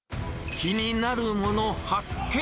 気になるものを発見。